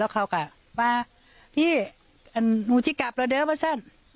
แล้วเขาก็ว่าพี่หนูจะกลับแล้วเดี๋ยวป่ะฉัน